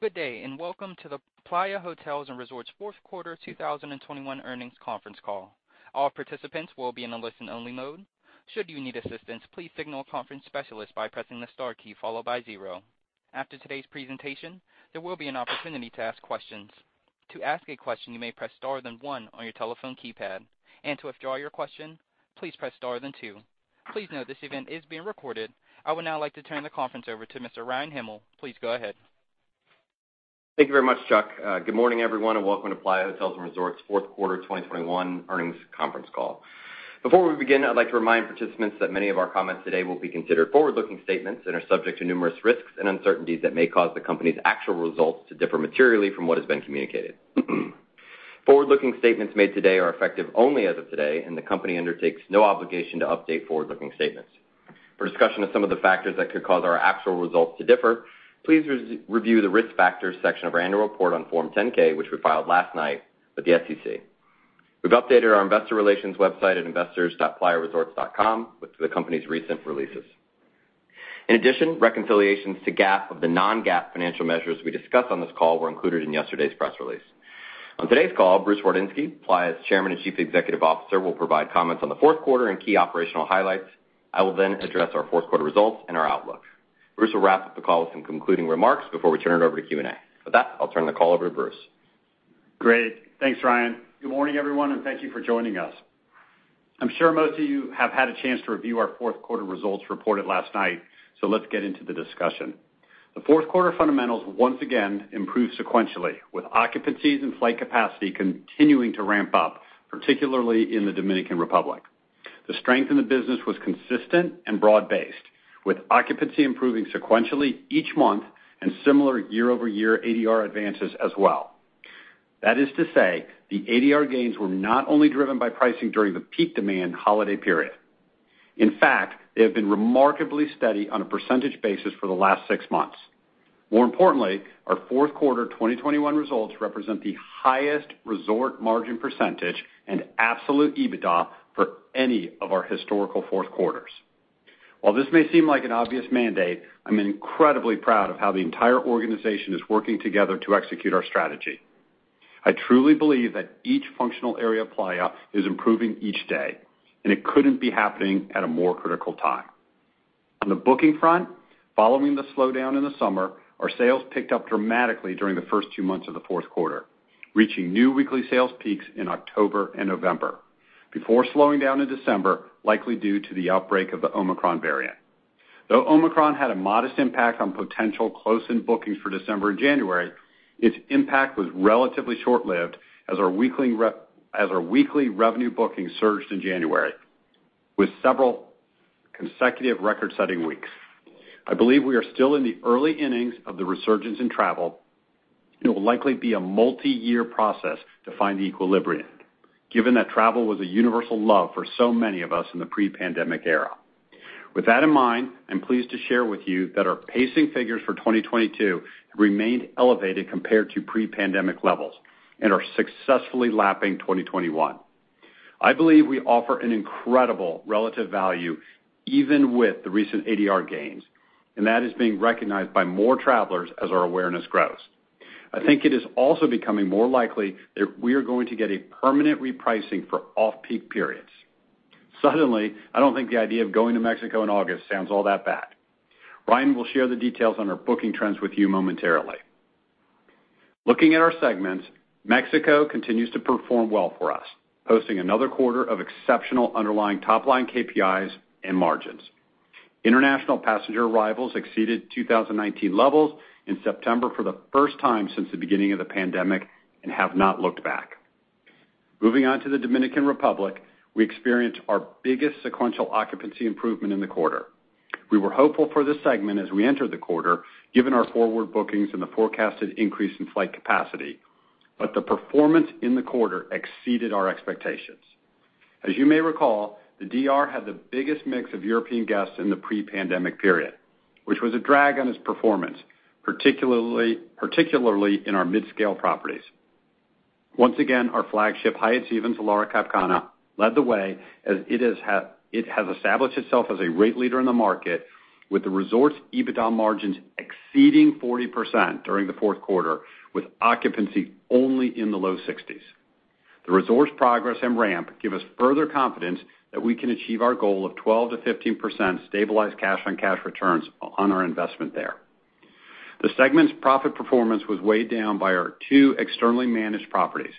Good day, and welcome to the Playa Hotels & Resorts fourth quarter 2021 earnings conference call. All participants will be in a listen only mode. Should you need assistance, please signal a conference specialist by pressing the star key followed by zero. After today's presentation, there will be an opportunity to ask questions. To ask a question, you may press star then one on your telephone keypad. To withdraw your question, please press star then two. Please note this event is being recorded. I would now like to turn the conference over to Mr. Ryan Hymel. Please go ahead. Thank you very much, Chuck. Good morning, everyone, and welcome to Playa Hotels & Resorts fourth quarter 2021 earnings conference call. Before we begin, I'd like to remind participants that many of our comments today will be considered forward-looking statements and are subject to numerous risks and uncertainties that may cause the company's actual results to differ materially from what has been communicated. Forward-looking statements made today are effective only as of today, and the company undertakes no obligation to update forward-looking statements. For discussion of some of the factors that could cause our actual results to differ, please re-review the Risk Factors section of our annual report on Form 10-K, which we filed last night with the SEC. We've updated our investor relations website at investors.playaresorts.com with the company's recent releases. In addition, reconciliations to GAAP of the non-GAAP financial measures we discuss on this call were included in yesterday's press release. On today's call, Bruce Wardinski, Playa's Chairman and Chief Executive Officer, will provide comments on the fourth quarter and key operational highlights. I will then address our fourth quarter results and our outlook. Bruce will wrap up the call with some concluding remarks before we turn it over to Q&A. For that, I'll turn the call over to Bruce. Great. Thanks, Ryan. Good morning, everyone, and thank you for joining us. I'm sure most of you have had a chance to review our fourth quarter results reported last night, so let's get into the discussion. The fourth quarter fundamentals once again improved sequentially, with occupancies and flight capacity continuing to ramp up, particularly in the Dominican Republic. The strength in the business was consistent and broad-based, with occupancy improving sequentially each month and similar year-over-year ADR advances as well. That is to say, the ADR gains were not only driven by pricing during the peak demand holiday period. In fact, they have been remarkably steady on a percentage basis for the last six months. More importantly, our fourth quarter 2021 results represent the highest resort margin percentage and absolute EBITDA for any of our historical fourth quarters. While this may seem like an obvious mandate, I'm incredibly proud of how the entire organization is working together to execute our strategy. I truly believe that each functional area of Playa is improving each day, and it couldn't be happening at a more critical time. On the booking front, following the slowdown in the summer, our sales picked up dramatically during the first two months of the fourth quarter, reaching new weekly sales peaks in October and November before slowing down in December, likely due to the outbreak of the Omicron variant. Though Omicron had a modest impact on potential close-in bookings for December and January, its impact was relatively short-lived as our weekly revenue bookings surged in January with several consecutive record-setting weeks. I believe we are still in the early innings of the resurgence in travel, and it will likely be a multi-year process to find the equilibrium, given that travel was a universal love for so many of us in the pre-pandemic era. With that in mind, I'm pleased to share with you that our pacing figures for 2022 remained elevated compared to pre-pandemic levels and are successfully lapping 2021. I believe we offer an incredible relative value even with the recent ADR gains, and that is being recognized by more travelers as our awareness grows. I think it is also becoming more likely that we are going to get a permanent repricing for off-peak periods. Suddenly, I don't think the idea of going to Mexico in August sounds all that bad. Ryan will share the details on our booking trends with you momentarily. Looking at our segments, Mexico continues to perform well for us, posting another quarter of exceptional underlying top-line KPIs and margins. International passenger arrivals exceeded 2019 levels in September for the first time since the beginning of the pandemic and have not looked back. Moving on to the Dominican Republic, we experienced our biggest sequential occupancy improvement in the quarter. We were hopeful for this segment as we entered the quarter, given our forward bookings and the forecasted increase in flight capacity, but the performance in the quarter exceeded our expectations. As you may recall, the DR had the biggest mix of European guests in the pre-pandemic period, which was a drag on its performance, particularly in our mid-scale properties. Once again, our flagship Hyatt Ziva and Zilara Cap Cana led the way as it has established itself as a rate leader in the market with the resort's EBITDA margins exceeding 40% during the fourth quarter with occupancy only in the low 60s. The resort's progress and ramp give us further confidence that we can achieve our goal of 12%-15% stabilized cash on cash returns on our investment there. The segment's profit performance was weighed down by our two externally managed properties,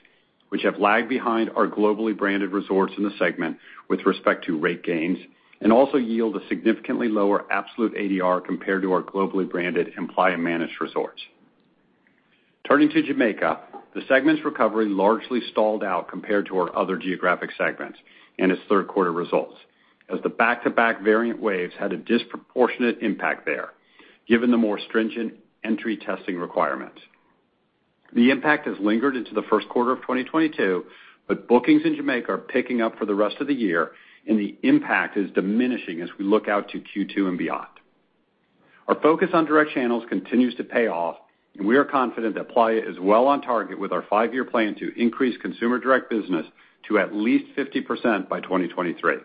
which have lagged behind our globally branded resorts in the segment with respect to rate gains and also yield a significantly lower absolute ADR compared to our globally branded and Playa-managed resorts. Turning to Jamaica, the segment's recovery largely stalled out compared to our other geographic segments and its third quarter results as the back-to-back variant waves had a disproportionate impact there, given the more stringent entry testing requirements. The impact has lingered into the first quarter of 2022, but bookings in Jamaica are picking up for the rest of the year, and the impact is diminishing as we look out to Q2 and beyond. Our focus on direct channels continues to pay off, and we are confident that Playa is well on target with our five-year plan to increase consumer direct business to at least 50% by 2023.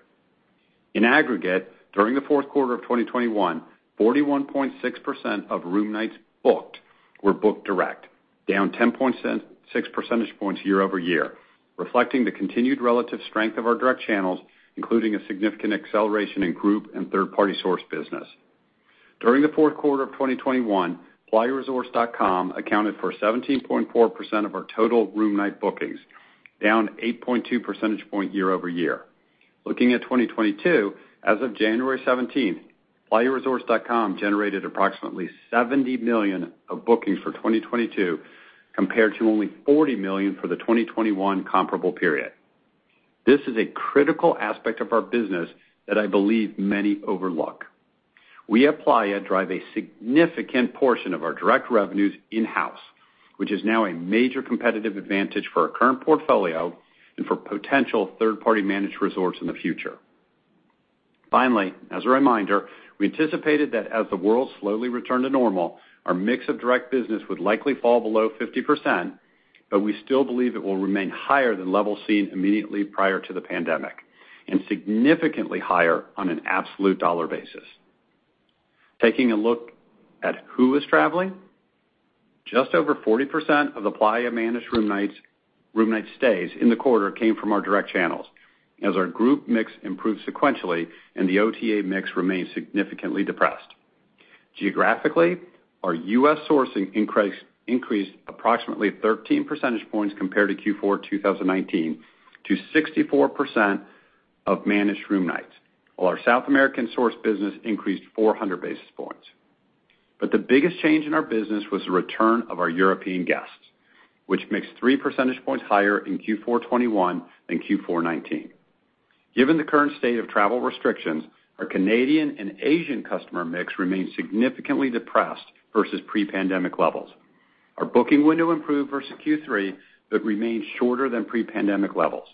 In aggregate, during the fourth quarter of 2021, 41.6% of room nights booked were booked direct, down 10.6 percentage points year-over-year, reflecting the continued relative strength of our direct channels, including a significant acceleration in group and third-party source business. During the fourth quarter of 2021, playaresorts.com accounted for 17.4% of our total room night bookings, down 8.2 percentage points year-over-year. Looking at 2022, as of January 17th, playaresorts.com generated approximately $70 million of bookings for 2022 compared to only $40 million for the 2021 comparable period. This is a critical aspect of our business that I believe many overlook. We at Playa drive a significant portion of our direct revenues in-house, which is now a major competitive advantage for our current portfolio and for potential third-party managed resorts in the future. Finally, as a reminder, we anticipated that as the world slowly returned to normal, our mix of direct business would likely fall below 50%, but we still believe it will remain higher than levels seen immediately prior to the pandemic and significantly higher on an absolute dollar basis. Taking a look at who is traveling, just over 40% of the Playa managed room nights, room night stays in the quarter came from our direct channels as our group mix improved sequentially and the OTA mix remains significantly depressed. Geographically, our U.S. sourcing increased approximately 13 percentage points compared to Q4 2019 to 64% of managed room nights, while our South American source business increased 400 basis points. The biggest change in our business was the return of our European guests, which makes 3 percentage points higher in Q4 2021 than Q4 2019. Given the current state of travel restrictions, our Canadian and Asian customer mix remains significantly depressed versus pre-pandemic levels. Our booking window improved versus Q3, but remains shorter than pre-pandemic levels.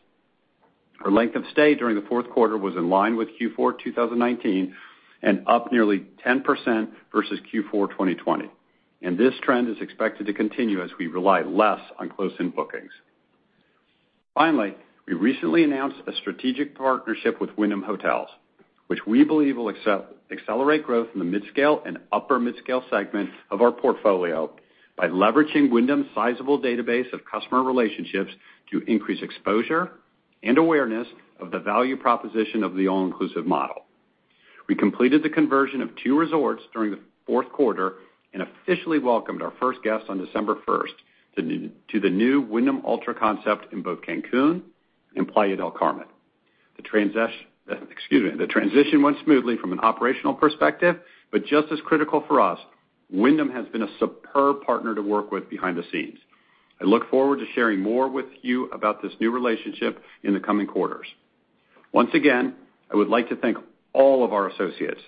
Our length of stay during the fourth quarter was in line with Q4 2019 and up nearly 10% versus Q4 2020, and this trend is expected to continue as we rely less on close-in bookings. Finally, we recently announced a strategic partnership with Wyndham Hotels, which we believe will accelerate growth in the midscale and upper midscale segment of our portfolio by leveraging Wyndham's sizable database of customer relationships to increase exposure and awareness of the value proposition of the all-inclusive model. We completed the conversion of two resorts during the fourth quarter and officially welcomed our first guest on December 1st to the new Wyndham Alltra concept in both Cancún and Playa del Carmen. The transition went smoothly from an operational perspective, but just as critical for us, Wyndham has been a superb partner to work with behind the scenes. I look forward to sharing more with you about this new relationship in the coming quarters. Once again, I would like to thank all of our associates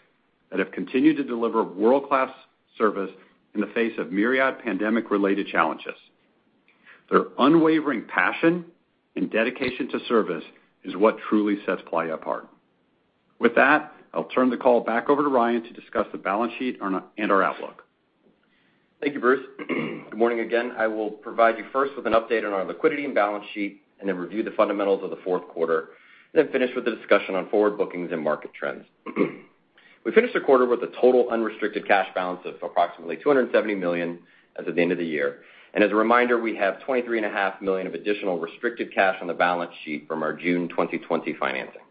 that have continued to deliver world-class service in the face of myriad pandemic related challenges. Their unwavering passion and dedication to service is what truly sets Playa apart. With that, I'll turn the call back over to Ryan to discuss the balance sheet and our outlook. Thank you, Bruce. Good morning again. I will provide you first with an update on our liquidity and balance sheet, and then review the fundamentals of the fourth quarter, then finish with a discussion on forward bookings and market trends. We finished the quarter with a total unrestricted cash balance of approximately $270 million as of the end of the year. As a reminder, we have $23.5 million of additional restricted cash on the balance sheet from our June 2020 financing.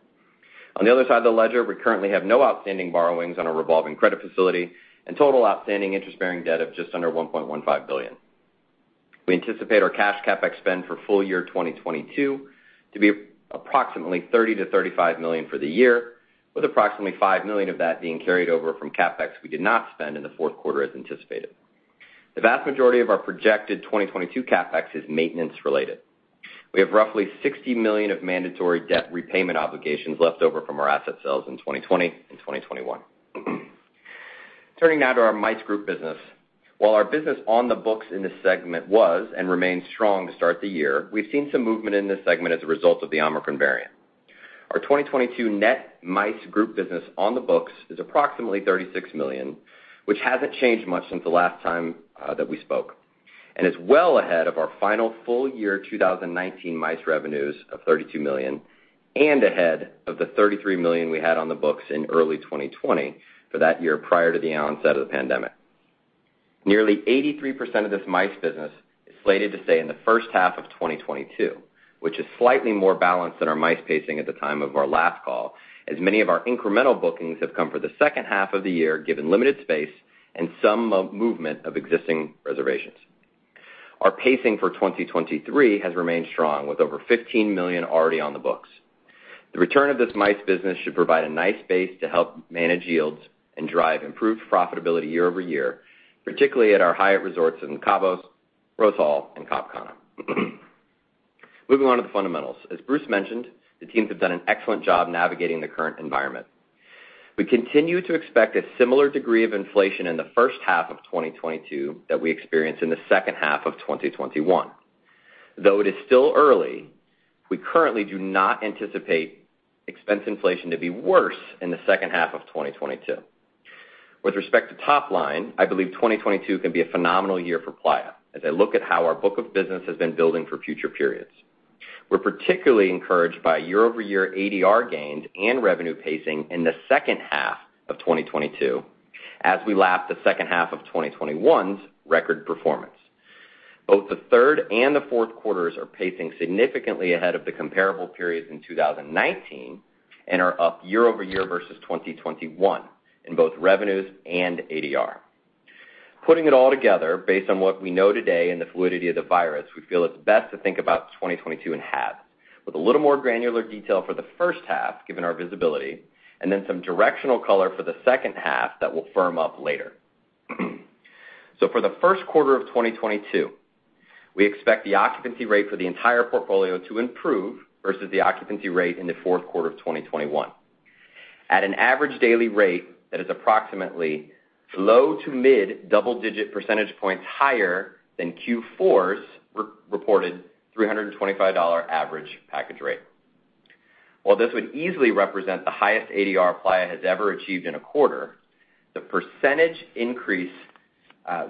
On the other side of the ledger, we currently have no outstanding borrowings on a revolving credit facility and total outstanding interest-bearing debt of just under $1.15 billion. We anticipate our cash CapEx spend for full year 2022 to be approximately $30 million-$35 million for the year, with approximately $5 million of that being carried over from CapEx we did not spend in the fourth quarter as anticipated. The vast majority of our projected 2022 CapEx is maintenance related. We have roughly $60 million of mandatory debt repayment obligations left over from our asset sales in 2020 and 2021. Turning now to our MICE group business. While our business on the books in this segment was and remains strong to start the year, we've seen some movement in this segment as a result of the Omicron variant. Our 2022 net MICE group business on the books is approximately $36 million, which hasn't changed much since the last time that we spoke, and is well ahead of our final full year 2019 MICE revenues of $32 million, and ahead of the $33 million we had on the books in early 2020 for that year prior to the onset of the pandemic. Nearly 83% of this MICE business is slated to stay in the first half of 2022, which is slightly more balanced than our MICE pacing at the time of our last call, as many of our incremental bookings have come for the second half of the year, given limited space and some movement of existing reservations. Our pacing for 2023 has remained strong, with over $15 million already on the books. The return of this MICE business should provide a nice base to help manage yields and drive improved profitability year-over-year, particularly at our Hyatt resorts in Cabos, Rose Hall, and Cap Cana. Moving on to the fundamentals. As Bruce mentioned, the teams have done an excellent job navigating the current environment. We continue to expect a similar degree of inflation in the first half of 2022 that we experienced in the second half of 2021. Though it is still early, we currently do not anticipate expense inflation to be worse in the second half of 2022. With respect to top line, I believe 2022 can be a phenomenal year for Playa as I look at how our book of business has been building for future periods. We're particularly encouraged by year-over-year ADR gains and revenue pacing in the second half of 2022 as we lap the second half of 2021's record performance. Both the third and the fourth quarters are pacing significantly ahead of the comparable periods in 2019, and are up year-over-year versus 2021 in both revenues and ADR. Putting it all together based on what we know today and the fluidity of the virus, we feel it's best to think about 2022 in halves, with a little more granular detail for the first half, given our visibility, and then some directional color for the second half that will firm up later. For the first quarter of 2022, we expect the occupancy rate for the entire portfolio to improve versus the occupancy rate in the fourth quarter of 2021 at an average daily rate that is approximately low- to mid-double-digit percentage points higher than Q4's re-reported $325 average package rate. While this would easily represent the highest ADR Playa has ever achieved in a quarter, the percentage increase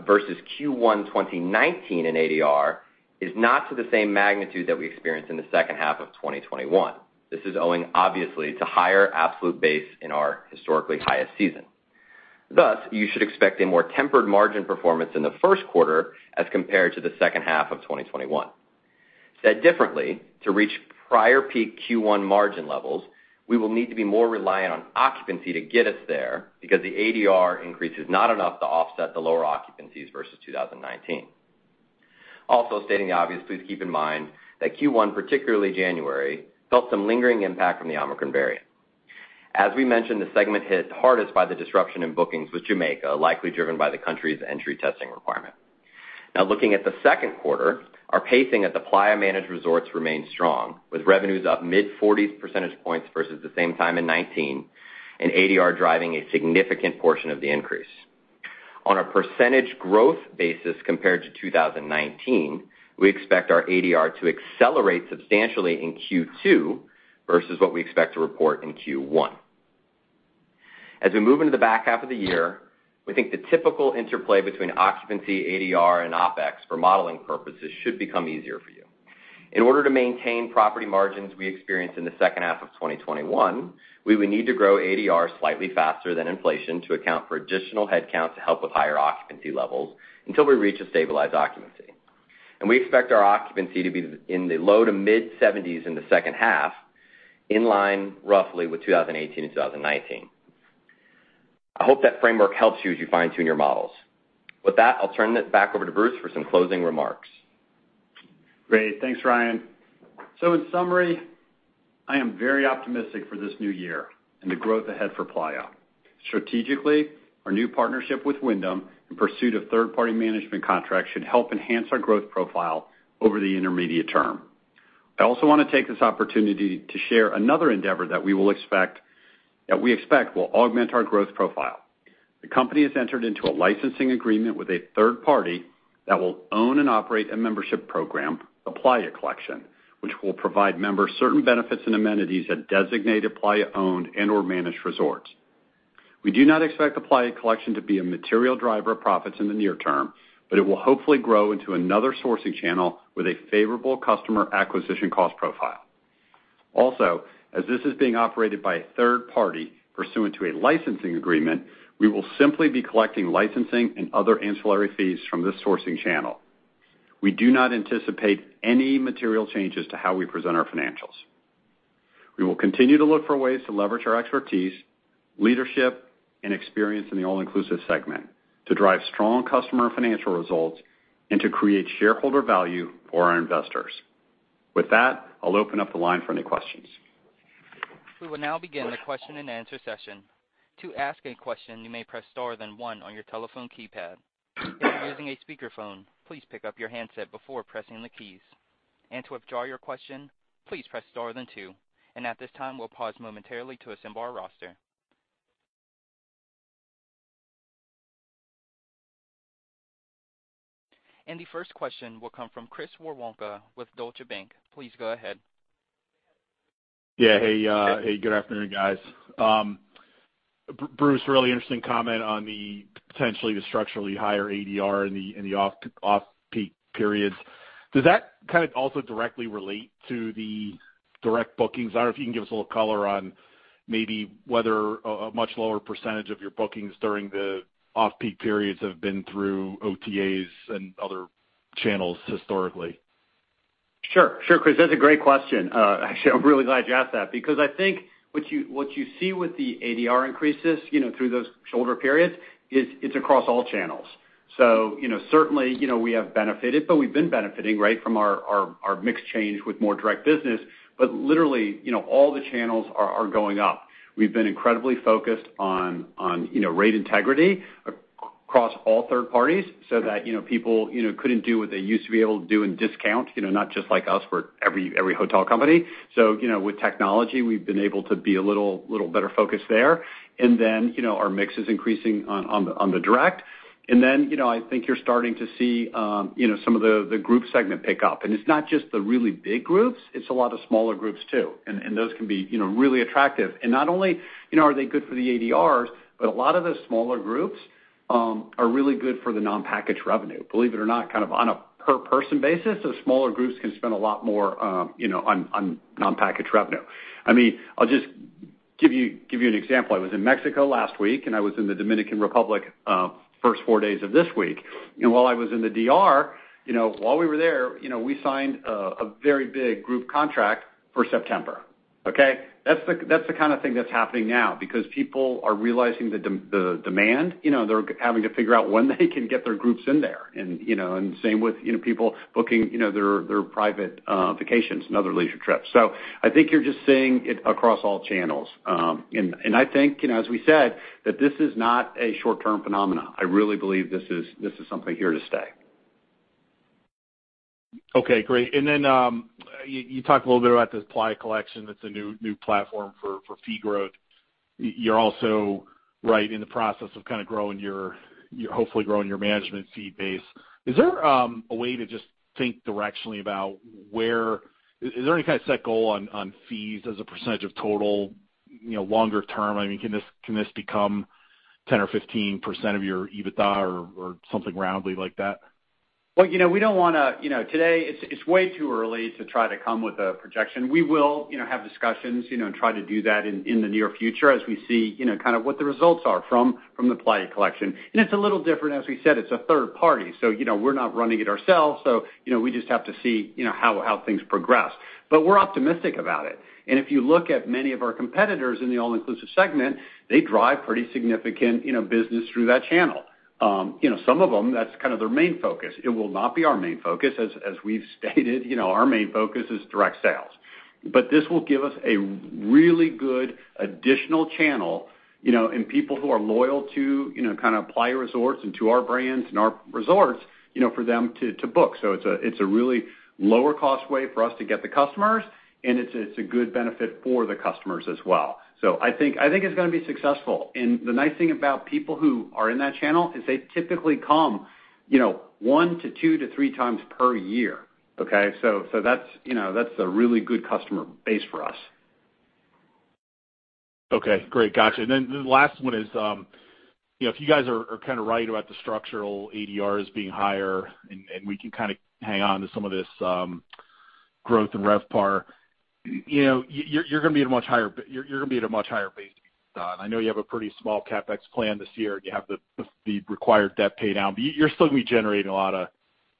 versus Q1 2019 in ADR is not to the same magnitude that we experienced in the second half of 2021. This is owing obviously to higher absolute base in our historically highest season. Thus, you should expect a more tempered margin performance in the first quarter as compared to the second half of 2021. Said differently, to reach prior peak Q1 margin levels, we will need to be more reliant on occupancy to get us there because the ADR increase is not enough to offset the lower occupancies versus 2019. Also stating the obvious, please keep in mind that Q1, particularly January, felt some lingering impact from the Omicron variant. As we mentioned, the segment hit hardest by the disruption in bookings with Jamaica, likely driven by the country's entry testing requirement. Now, looking at the second quarter, our pacing at the Playa Managed Resorts remains strong, with revenues up mid-40 percentage points versus the same time in 2019 and ADR driving a significant portion of the increase. On a percentage growth basis compared to 2019, we expect our ADR to accelerate substantially in Q2 versus what we expect to report in Q1. As we move into the back half of the year, we think the typical interplay between occupancy, ADR, and OpEx for modeling purposes should become easier for you. In order to maintain property margins we experienced in the second half of 2021, we would need to grow ADR slightly faster than inflation to account for additional headcount to help with higher occupancy levels until we reach a stabilized occupancy. We expect our occupancy to be in the low to mid-70s in the second half, in line roughly with 2018 and 2019. I hope that framework helps you as you fine-tune your models. With that, I'll turn it back over to Bruce for some closing remarks. Great. Thanks, Ryan. In summary, I am very optimistic for this new year and the growth ahead for Playa. Strategically, our new partnership with Wyndham in pursuit of third-party management contracts should help enhance our growth profile over the intermediate term. I also wanna take this opportunity to share another endeavor that we expect will augment our growth profile. The company has entered into a licensing agreement with a third party that will own and operate a membership program, the Playa Collection, which will provide members certain benefits and amenities at designated Playa-owned and/or managed resorts. We do not expect the Playa Collection to be a material driver of profits in the near term, but it will hopefully grow into another sourcing channel with a favorable customer acquisition cost profile. Also, as this is being operated by a third party pursuant to a licensing agreement, we will simply be collecting licensing and other ancillary fees from this sourcing channel. We do not anticipate any material changes to how we present our financials. We will continue to look for ways to leverage our expertise, leadership, and experience in the all-inclusive segment to drive strong customer financial results and to create shareholder value for our investors. With that, I'll open up the line for any questions. We will now begin the question-and-answer session. To ask a question, you may press star then one on your telephone keypad. If you are using a speakerphone, please pick up your handset before pressing the keys. To withdraw your question, please press star then two. At this time, we'll pause momentarily to assemble our roster. The first question will come from Chris Woronka with Deutsche Bank. Please go ahead. Hey, good afternoon, guys. Bruce, really interesting comment on the potential for the structurally higher ADR in the off-peak periods. Does that kind of also directly relate to the direct bookings? I don't know if you can give us a little color on maybe whether a much lower percentage of your bookings during the off-peak periods have been through OTAs and other channels historically. Sure. Sure, Chris. That's a great question. Actually, I'm really glad you asked that because I think what you see with the ADR increases, you know, through those shoulder periods is it's across all channels. So, you know, certainly, you know, we have benefited, but we've been benefiting, right, from our mix change with more direct business. But literally, you know, all the channels are going up. We've been incredibly focused on, you know, rate integrity across all third parties so that, you know, people, you know, couldn't do what they used to be able to do and discount, you know, not just like us. We're every hotel company. So, you know, with technology, we've been able to be a little better focused there. You know, our mix is increasing on the direct. You know, I think you're starting to see, you know, some of the group segment pick up. It's not just the really big groups, it's a lot of smaller groups too. Those can be, you know, really attractive. Not only, you know, are they good for the ADRs, but a lot of the smaller groups are really good for the non-package revenue. Believe it or not, kind of on a per person basis, those smaller groups can spend a lot more, you know, on non-package revenue. I mean, I'll just give you an example. I was in Mexico last week, and I was in the Dominican Republic, first four days of this week. While I was in the DR, you know, while we were there, you know, we signed a very big group contract for September, okay? That's the kind of thing that's happening now because people are realizing the demand. You know, they're having to figure out when they can get their groups in there. You know, same with, you know, people booking, you know, their private vacations and other leisure trips. So I think you're just seeing it across all channels. I think, you know, as we said, that this is not a short-term phenomenon. I really believe this is something here to stay. Okay, great. You talked a little bit about this Playa Collection that's a new platform for fee growth. You're also right in the process of kind of growing your management fee base. Is there a way to just think directionally about where there is any kind of set goal on fees as a percentage of total, you know, longer term? I mean, can this become 10% or 15% of your EBITDA or something roundly like that? Well, you know, we don't wanna. You know, today it's way too early to try to come with a projection. We will, you know, have discussions, you know, and try to do that in the near future as we see, you know, kind of what the results are from the Playa Collection. It's a little different, as we said, it's a third party, so, you know, we're not running it ourselves, so, you know, we just have to see, you know, how things progress. We're optimistic about it. If you look at many of our competitors in the all-inclusive segment, they drive pretty significant, you know, business through that channel. You know, some of them, that's kind of their main focus. It will not be our main focus. As we've stated, you know, our main focus is direct sales. This will give us a really good additional channel, you know, and people who are loyal to, you know, kind of Playa Resorts and to our brands and our resorts, you know, for them to book. So it's a really lower cost way for us to get the customers, and it's a good benefit for the customers as well. So I think it's gonna be successful. The nice thing about people who are in that channel is they typically come, you know, one to two to three times per year, okay? So that's, you know, that's a really good customer base for us. Okay, great. Gotcha. Then the last one is, you know, if you guys are kind of right about the structural ADRs being higher and we can kind of hang on to some of this growth in RevPAR, you know, you're gonna be at a much higher base. I know you have a pretty small CapEx plan this year. You have the required debt pay down, but you're still gonna be generating a lot of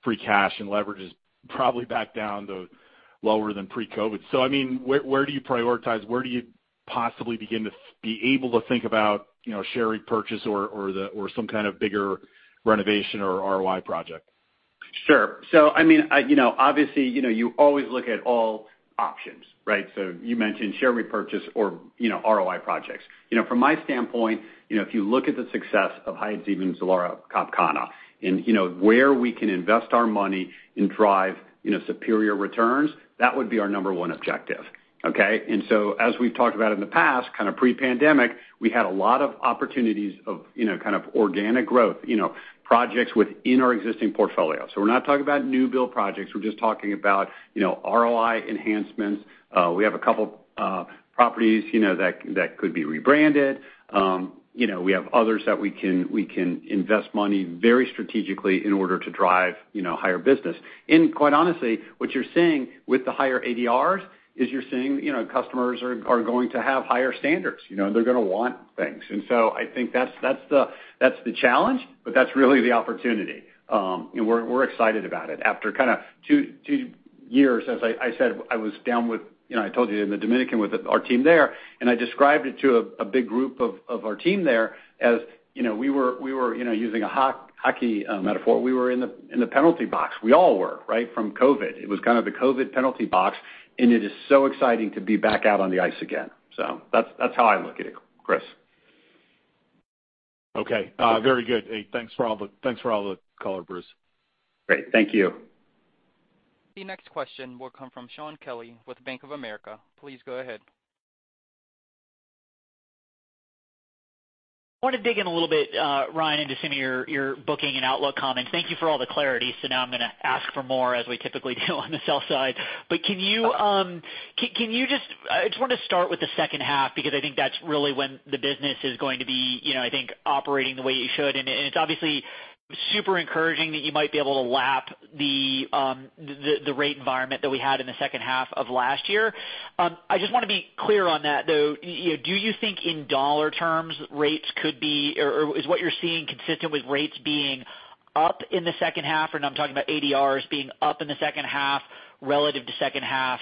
free cash, and leverage is probably back down to lower than pre-COVID. I mean, where do you prioritize? Where do you possibly begin to be able to think about, you know, share repurchase or some kind of bigger renovation or ROI project? Sure. I mean, you know, obviously, you know, you always look at all options, right? You mentioned share repurchase or, you know, ROI projects. You know, from my standpoint, you know, if you look at the success of Hyatt Ziva and Zilara Cap Cana and, you know, where we can invest our money and drive, you know, superior returns, that would be our number one objective, okay? As we've talked about in the past, kind of pre-pandemic, we had a lot of opportunities of, you know, kind of organic growth, you know, projects within our existing portfolio. We're not talking about new build projects. We're just talking about, you know, ROI enhancements. We have a couple properties, you know, that could be rebranded. You know, we have others that we can invest money very strategically in order to drive higher business. Quite honestly, what you're seeing with the higher ADRs is you're seeing customers are going to have higher standards. You know, they're gonna want things. I think that's the challenge, but that's really the opportunity. We're excited about it after kind of two years. As I said, I was down with you know, I told you in the Dominican with our team there, and I described it to a big group of our team there as we were using a hockey metaphor. We were in the penalty box. We all were, right, from COVID. It was kind of the COVID penalty box, and it is so exciting to be back out on the ice again. That's how I look at it, Chris. Okay. Very good. Hey, thanks for all the color, Bruce. Great. Thank you. The next question will come from Shaun Kelley with Bank of America. Please go ahead. I want to dig in a little bit, Ryan, into some of your booking and outlook comments. Thank you for all the clarity. Now I'm going to ask for more, as we typically do on the sell side. Can you just start with the second half because I think that's really when the business is going to be, you know, operating the way it should. It's obviously super encouraging that you might be able to lap the rate environment that we had in the second half of last year. I just want to be clear on that, though. You know, do you think in dollar terms rates could be or is what you're seeing consistent with rates being up in the second half? I'm talking about ADRs being up in the second half relative to second half,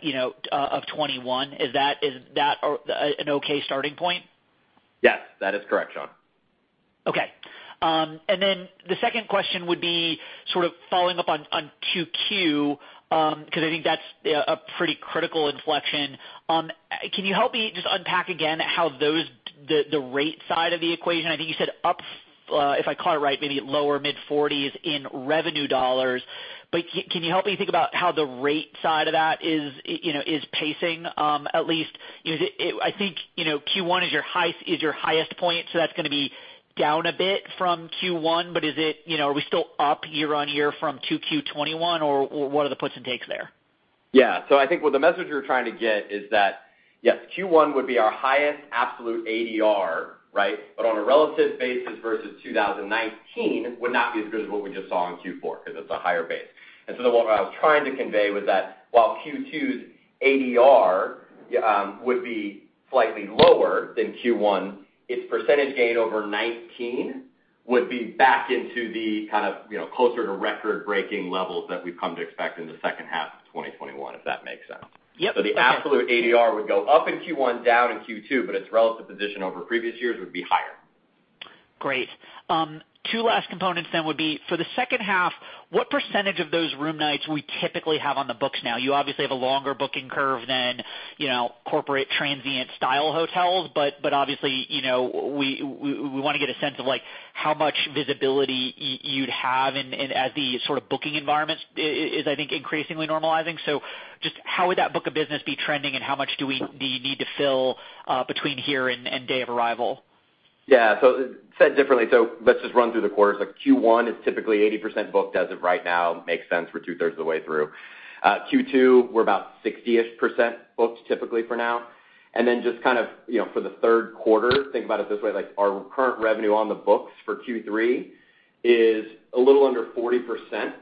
you know, of 2021. Is that an okay starting point? Yes, that is correct, Shaun. Okay. Then the second question would be sort of following up on QQ, 'cause I think that's a pretty critical inflection. Can you help me just unpack again how the rate side of the equation. I think you said up, if I caught it right, maybe lower mid-forties in revenue dollars. But can you help me think about how the rate side of that is, you know, is pacing, at least? Is it? I think, you know, Q1 is your highest point, so that's gonna be down a bit from Q1. But is it, you know, are we still up year-over-year from 2Q 2021 or what are the puts and takes there? Yeah. I think what the message we were trying to get is that, yes, Q1 would be our highest absolute ADR, right? On a relative basis versus 2019 would not be as good as what we just saw in Q4 because it's a higher base. What I was trying to convey was that while Q2's ADR would be slightly lower than Q1, its percentage gain over 2019 would be back into the kind of, you know, closer to record-breaking levels that we've come to expect in the second half of 2021, if that makes sense. Yep. Okay. The absolute ADR would go up in Q1, down in Q2, but its relative position over previous years would be higher. Great. Two last components would be for the second half, what percentage of those room nights we typically have on the books now? You obviously have a longer booking curve than, you know, corporate transient style hotels, but obviously, you know, we wanna get a sense of, like, how much visibility you'd have in as the sort of booking environment is, I think, increasingly normalizing. Just how would that book of business be trending, and how much do you need to fill between here and day of arrival? Yeah. Said differently, let's just run through the quarters. Like Q1 is typically 80% booked as of right now. Makes sense, we're 2/3 of the way through. Q2, we're about 60%-ish booked typically for now. Then just kind of, you know, for the third quarter, think about it this way, like our current revenue on the books for Q3 is a little under 40%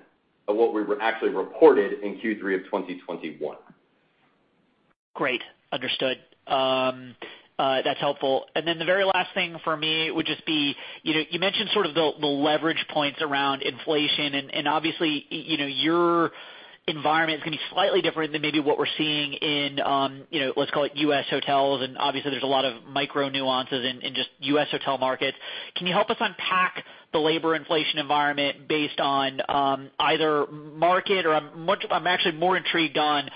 of what we actually reported in Q3 of 2021. Great. Understood. That's helpful. The very last thing for me would just be, you know, you mentioned sort of the leverage points around inflation and obviously, you know, your environment is gonna be slightly different than maybe what we're seeing in, you know, let's call it U.S. hotels, and obviously there's a lot of micro nuances in just U.S. hotel markets. Can you help us unpack the labor inflation environment based on, either market or I'm actually more intrigued on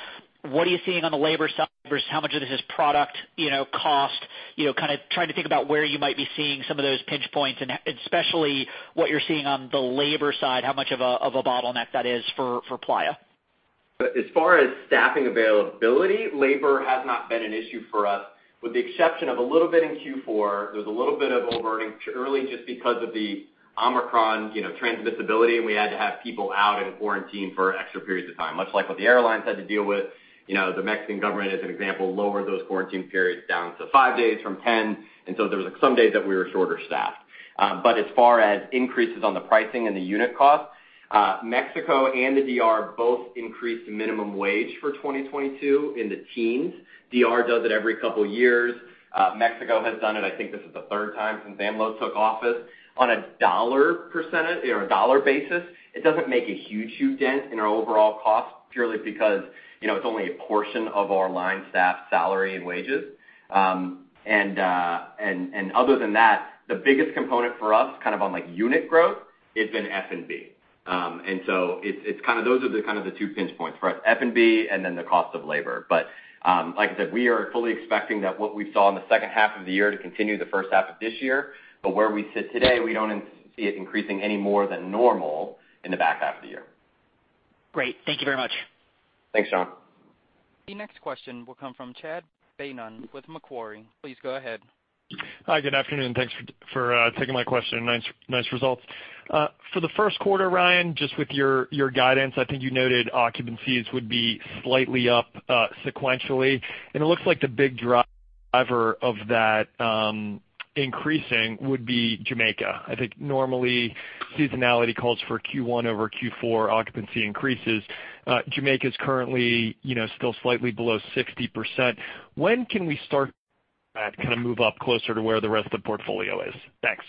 what are you seeing on the labor side versus how much of this is product, you know, cost? You know, kind of trying to think about where you might be seeing some of those pinch points and especially what you're seeing on the labor side, how much of a bottleneck that is for Playa. As far as staffing availability, labor has not been an issue for us, with the exception of a little bit in Q4. There was a little bit of overearning early just because of the Omicron, you know, transmissibility, and we had to have people out in quarantine for extra periods of time, much like what the airlines had to deal with. You know, the Mexican government, as an example, lowered those quarantine periods down to five days from 10, and so there was some days that we were shorter staffed. As far as increases on the pricing and the unit cost, Mexico and the DR both increased minimum wage for 2022 in the teens. DR does it every couple years. Mexico has done it, I think this is the third time since AMLO took office. On a dollar percent or dollar basis, it doesn't make a huge dent in our overall cost purely because, you know, it's only a portion of our line staff salary and wages. Other than that, the biggest component for us kind of on, like, unit growth has been F&B. It's kind of those are the kind of the two pinch points for us, F&B and then the cost of labor. Like I said, we are fully expecting that what we saw in the second half of the year to continue the first half of this year. Where we sit today, we don't see it increasing any more than normal in the back half of the year. Great. Thank you very much. Thanks, Shaun. The next question will come from Chad Beynon with Macquarie. Please go ahead. Hi, good afternoon. Thanks for taking my question. Nice results. For the first quarter, Ryan, just with your guidance, I think you noted occupancies would be slightly up sequentially. It looks like the big driver of that increasing would be Jamaica. I think normally seasonality calls for Q1 over Q4 occupancy increases. Jamaica is currently still slightly below 60%. When can we start to kind of move up closer to where the rest of the portfolio is? Thanks.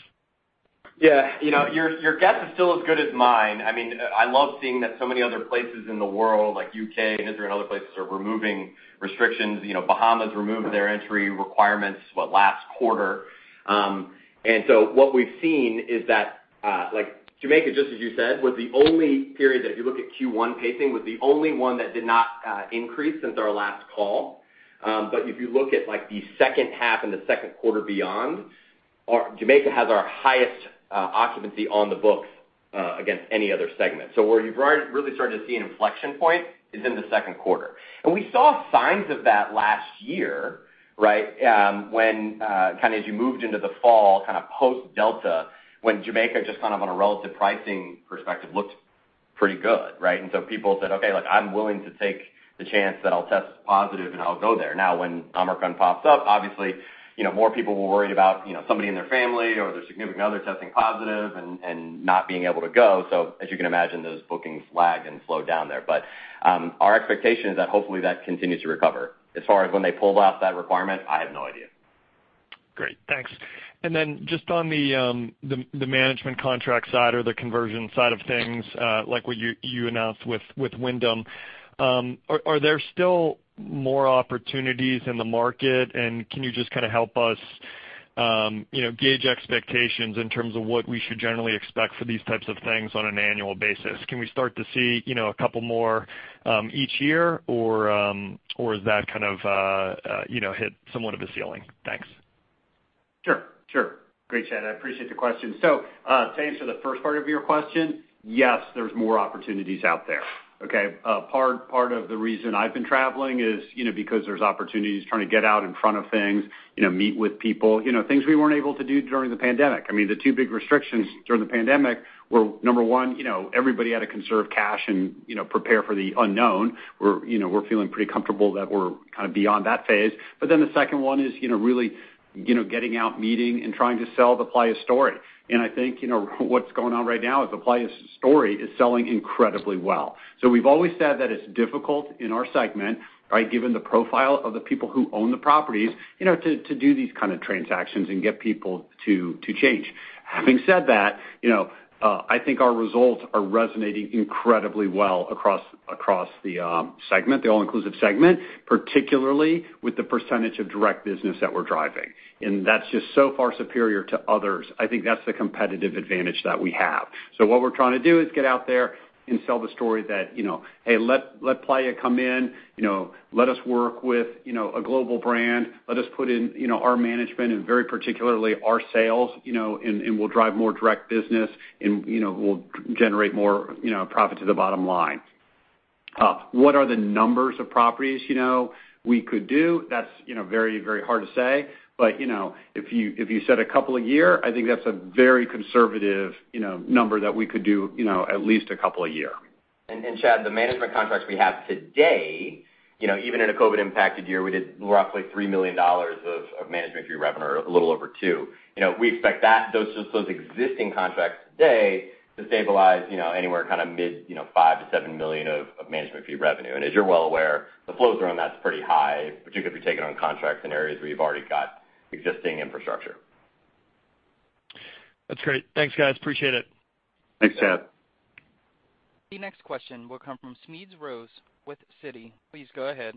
Yeah. You know, your guess is still as good as mine. I mean, I love seeing that so many other places in the world, like U.K. and Israel and other places, are removing restrictions. You know, Bahamas removed their entry requirements, what, last quarter. And so what we've seen is that, like Jamaica, just as you said, was the only period that if you look at Q1 pacing, was the only one that did not increase since our last call. But if you look at, like, the second half and the second quarter beyond, our Jamaica has our highest occupancy on the books against any other segment. So where you've already really started to see an inflection point is in the second quarter. We saw signs of that last year, right? When kind of as you moved into the fall, kind of post Delta, when Jamaica just kind of on a relative pricing perspective looked pretty good, right? People said, "Okay, like I'm willing to take the chance that I'll test positive and I'll go there." Now, when Omicron pops up, obviously, you know, more people were worried about, you know, somebody in their family or their significant other testing positive and not being able to go. As you can imagine, those bookings lagged and slowed down there. Our expectation is that hopefully that continues to recover. As far as when they pull off that requirement, I have no idea. Great. Thanks. Just on the management contract side or the conversion side of things, like what you announced with Wyndham, are there still more opportunities in the market? Can you just kind of help us, you know, gauge expectations in terms of what we should generally expect for these types of things on an annual basis? Can we start to see, you know, a couple more each year or has that kind of you know hit somewhat of a ceiling? Thanks. Sure, sure. Great, Chad, I appreciate the question. Thanks for the first part of your question, yes, there's more opportunities out there, okay? A part of the reason I've been traveling is, you know, because there's opportunities, trying to get out in front of things, you know, meet with people. You know, things we weren't able to do during the pandemic. I mean, the two big restrictions during the pandemic were, number one, you know, everybody had to conserve cash and, you know, prepare for the unknown. We're feeling pretty comfortable that we're kind of beyond that phase. The second one is, you know, really, you know, getting out, meeting, and trying to sell the Playa story. I think, you know, what's going on right now is the Playa story is selling incredibly well. We've always said that it's difficult in our segment, right, given the profile of the people who own the properties, you know, to do these kind of transactions and get people to change. Having said that, you know, I think our results are resonating incredibly well across the segment, the all-inclusive segment, particularly with the percentage of direct business that we're driving. That's just so far superior to others. I think that's the competitive advantage that we have. What we're trying to do is get out there and sell the story that, you know, "Hey, let Playa come in. You know, let us work with, you know, a global brand. Let us put in, you know, our management and very particularly our sales, you know, and we'll drive more direct business and, you know, we'll generate more, you know, profit to the bottom line." What are the numbers of properties, you know, we could do? That's, you know, very hard to say. You know, if you said a couple a year, I think that's a very conservative, you know, number that we could do, you know, at least a couple a year. Chad, the management contracts we have today, you know, even in a COVID impacted year, we did roughly $3 million of management fee revenue, or a little over $2 million. You know, we expect that, those, just those existing contracts today to stabilize, you know, anywhere kind of mid $5 million-$7 million of management fee revenue. As you're well aware, the upside around that's pretty high, particularly if you're taking on contracts in areas where you've already got existing infrastructure. That's great. Thanks, guys. Appreciate it. Thanks, Chad. The next question will come from Smedes Rose with Citi. Please go ahead.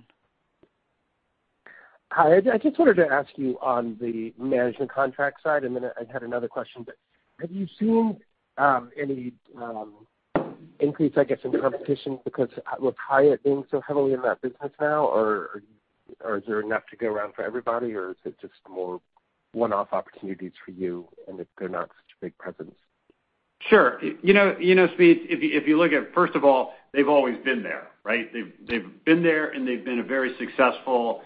Hi. I just wanted to ask you on the management contract side, and then I had another question. Have you seen any increase, I guess, in competition because with Hyatt being so heavily in that business now or are there enough to go around for everybody or is it just more one-off opportunities for you and that they're not such a big presence? Sure. You know, Smedes, if you look at, first of all, they've always been there, right? They've been there and they've been a very successful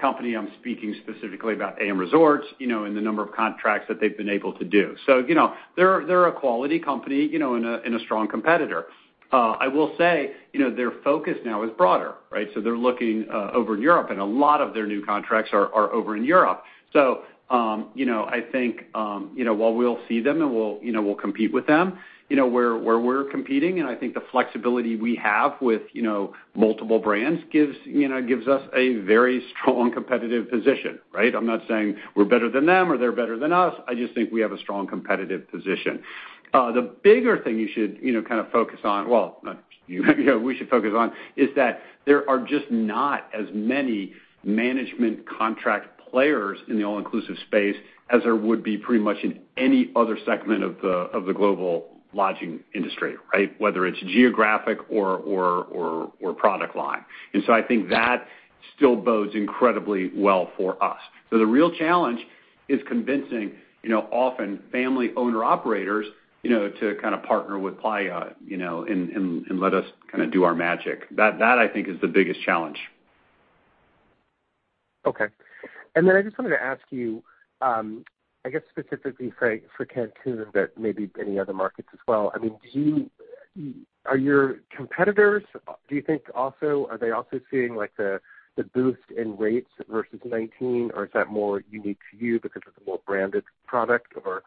company. I'm speaking specifically about AMResorts, you know, and the number of contracts that they've been able to do. You know, they're a quality company, you know, and a strong competitor. I will say, you know, their focus now is broader, right? They're looking over in Europe, and a lot of their new contracts are over in Europe. You know, I think, you know, while we'll see them and we'll compete with them, you know, where we're competing and I think the flexibility we have with, you know, multiple brands gives us a very strong competitive position, right? I'm not saying we're better than them or they're better than us. I just think we have a strong competitive position. The bigger thing you should, you know, kind of focus on, well, not you know, we should focus on, is that there are just not as many management contract players in the all-inclusive space as there would be pretty much in any other segment of the global lodging industry, right? Whether it's geographic or product line. I think that still bodes incredibly well for us. The real challenge is convincing, you know, often family owner-operators, you know, to kind of partner with Playa, you know, and let us kind of do our magic. That I think is the biggest challenge. Okay. I just wanted to ask you, I guess specifically for Cancún, but maybe any other markets as well. I mean, are your competitors, do you think also, are they also seeing like the boost in rates versus 2019? Or is that more unique to you because of the more branded product? Or, you know,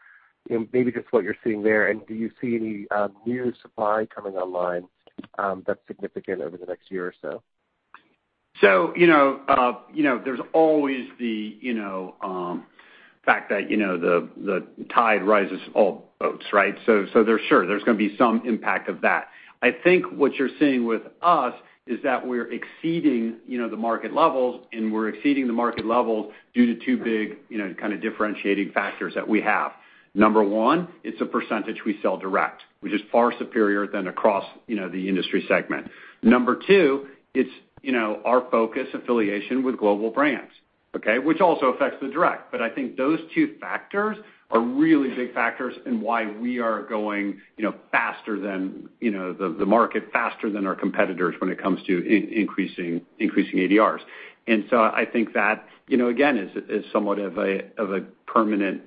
maybe just what you're seeing there. Do you see any new supply coming online that's significant over the next year or so? You know, there's always the fact that the tide rises all boats, right? There's sure to be some impact of that. I think what you're seeing with us is that we're exceeding the market levels and we're exceeding the market levels due to two big differentiating factors that we have. Number one, it's the percentage we sell direct, which is far superior than across the industry segment. Number two, it's our focus affiliation with global brands, okay, which also affects the direct. I think those two factors are really big factors in why we are going faster than the market, faster than our competitors when it comes to increasing ADRs. I think that, you know, again, is somewhat of a permanent,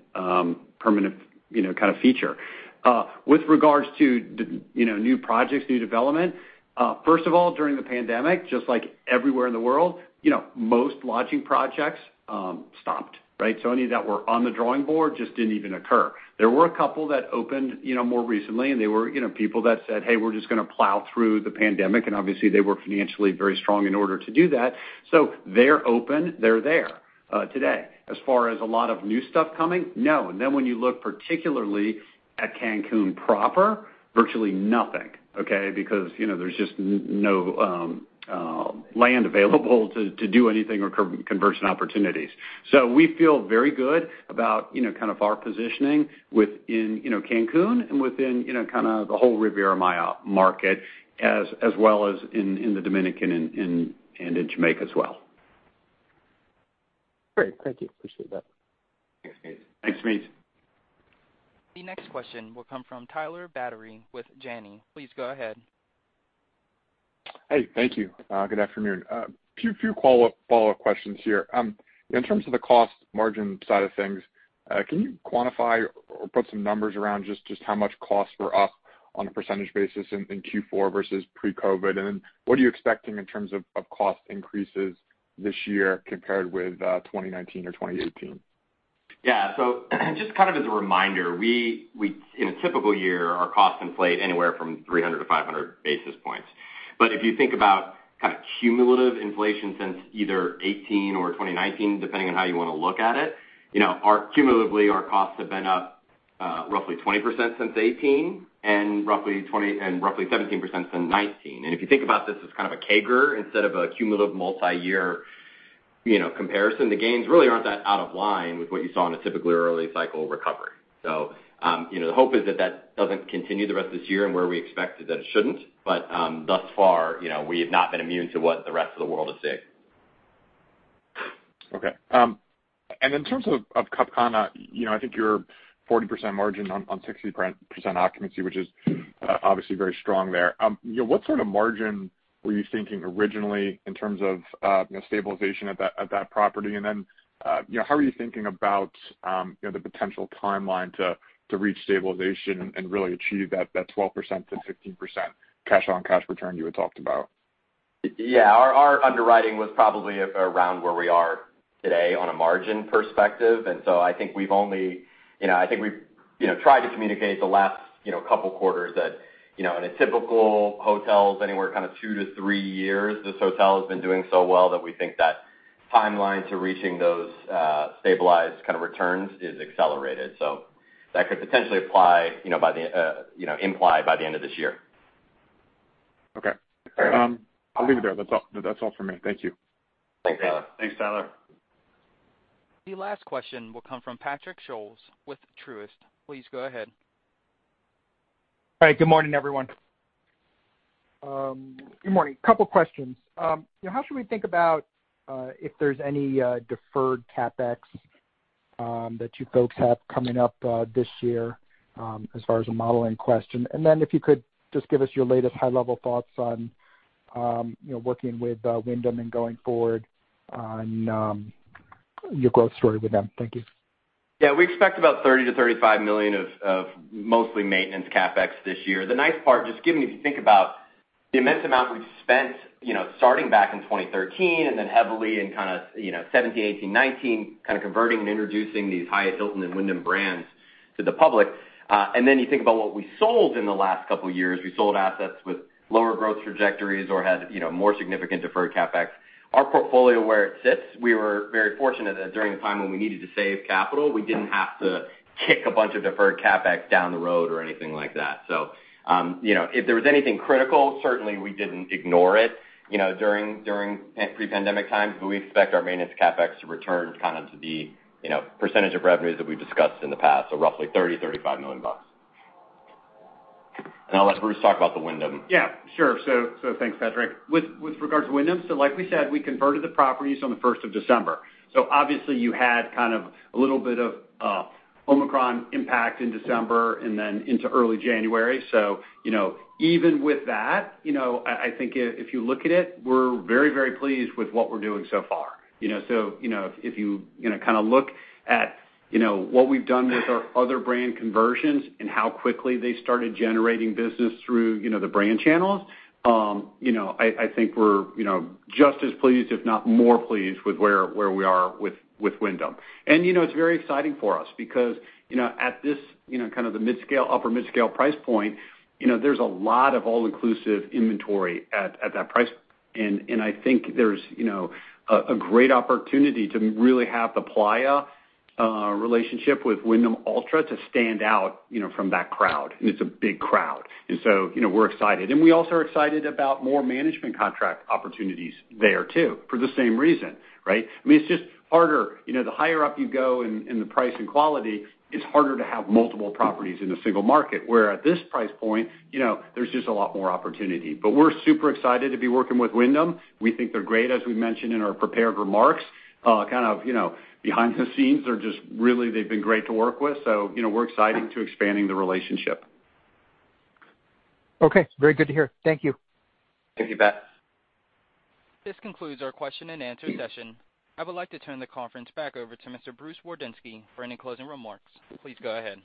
you know, kind of feature. With regards to the, you know, new projects, new development, first of all, during the pandemic, just like everywhere in the world, you know, most lodging projects stopped, right? Any that were on the drawing board just didn't even occur. There were a couple that opened, you know, more recently and they were, you know, people that said, "Hey, we're just gonna plow through the pandemic." Obviously they were financially very strong in order to do that. They're open, they're there today. As far as a lot of new stuff coming, no. When you look particularly at Cancún proper, virtually nothing, okay? Because, you know, there's just no land available to do anything or conversion opportunities. We feel very good about, you know, kind of our positioning within, you know, Cancún and within, you know, kind of the whole Riviera Maya market as well as in the Dominican and in Jamaica as well. Great. Thank you. Appreciate that. Thanks, Smedes. Thanks, Smedes. The next question will come from Tyler Batory with Janney. Please go ahead. Hey, thank you. Good afternoon. A few follow-up questions here. In terms of the cost margin side of things, can you quantify or put some numbers around just how much costs were up on a percentage basis in Q4 versus pre-COVID? And then what are you expecting in terms of cost increases this year compared with 2019 or 2018? Yeah. Just kind of as a reminder, we in a typical year, our costs inflate anywhere from 300-500 basis points. But if you think about kind of cumulative inflation since either 2018 or 2019, depending on how you wanna look at it, you know, cumulatively, our costs have been up roughly 20% since 2018 and roughly 17% since 2019. If you think about this as kind of a CAGR instead of a cumulative multiyear, you know, comparison, the gains really aren't that out of line with what you saw in a typically early cycle recovery. The hope is that that doesn't continue the rest of this year and where we expect is that it shouldn't. Thus far, you know, we have not been immune to what the rest of the world is seeing. Okay. In terms of Cap Cana, you know, I think your 40% margin on 60% occupancy, which is obviously very strong there. You know, what sort of margin were you thinking originally in terms of stabilization of that property and then how are you thinking about the potential timeline to reach stabilization and really achieve that 12%-15% cash on cash return you had talked about? Yeah. Our underwriting was probably around where we are today on a margin perspective. I think we've only, you know, tried to communicate the last, you know, couple quarters that, you know, in a typical hotel is anywhere kind of two to three years. This hotel has been doing so well that we think that timeline to reaching those stabilized kind of returns is accelerated. That could potentially be in play by the end of this year. Okay. All right. I'll leave it there. That's all for me. Thank you. Thanks, Tyler. Thanks, Tyler. The last question will come from Patrick Scholes with Truist. Please go ahead. Hi. Good morning, everyone. Good morning. Couple questions. You know, how should we think about if there's any deferred CapEx that you folks have coming up this year as far as a modeling question? If you could just give us your latest high-level thoughts on you know, working with Wyndham and going forward on your growth story with them. Thank you. Yeah. We expect about $30 million-$35 million of mostly maintenance CapEx this year. The nice part, just given if you think about the immense amount we've spent, you know, starting back in 2013 and then heavily in kinda, you know, 2017, 2018, 2019, kinda converting and introducing these Hyatt, Hilton and Wyndham brands to the public. And then you think about what we sold in the last couple years. We sold assets with lower growth trajectories or had, you know, more significant deferred CapEx. Our portfolio, where it sits, we were very fortunate that during the time when we needed to save capital, we didn't have to kick a bunch of deferred CapEx down the road or anything like that. You know, if there was anything critical, certainly we didn't ignore it, you know, during pre-pandemic times. We expect our maintenance CapEx to return kind of to the, you know, percentage of revenues that we've discussed in the past. Roughly $30 million-$35 million. I'll let Bruce talk about the Wyndham. Yeah. Sure. Thanks, Patrick. With regards to Wyndham, like we said, we converted the properties on the first of December. Obviously you had kind of a little bit of Omicron impact in December and then into early January. You know, even with that, you know, I think if you look at it, we're very pleased with what we're doing so far. You know, if you kinda look at what we've done with our other brand conversions and how quickly they started generating business through the brand channels, you know, I think we're just as pleased, if not more pleased with where we are with Wyndham. You know, it's very exciting for us because, you know, at this, you know, kind of the mid-scale, upper mid-scale price point, you know, there's a lot of all-inclusive inventory at that price. I think there's, you know, a great opportunity to really have the Playa relationship with Wyndham Alltra to stand out, you know, from that crowd, and it's a big crowd. You know, we're excited. We also are excited about more management contract opportunities there too for the same reason, right? I mean, it's just harder. You know, the higher up you go in the price and quality, it's harder to have multiple properties in a single market. Where at this price point, you know, there's just a lot more opportunity. We're super excited to be working with Wyndham. We think they're great, as we mentioned in our prepared remarks. Kind of, you know, behind the scenes, they're just really, they've been great to work with, so, you know, we're exciting to expanding the relationship. Okay. Very good to hear. Thank you. Thank you, Pat. This concludes our question and answer session. I would like to turn the conference back over to Mr. Bruce Wardinski for any closing remarks. Please go ahead.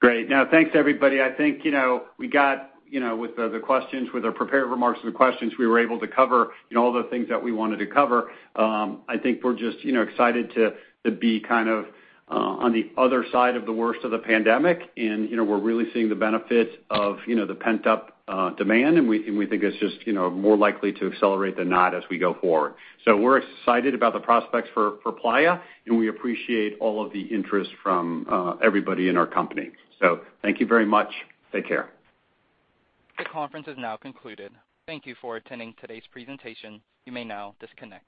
Great. No, thanks, everybody. I think, you know, we got, you know, with the questions, with our prepared remarks and the questions, we were able to cover, you know, all the things that we wanted to cover. I think we're just, you know, excited to be kind of on the other side of the worst of the pandemic. You know, we're really seeing the benefits of, you know, the pent-up demand, and we think it's just, you know, more likely to accelerate than not as we go forward. We're excited about the prospects for Playa, and we appreciate all of the interest from everybody in our company. Thank you very much. Take care. The conference has now concluded. Thank you for attending today's presentation. You may now disconnect.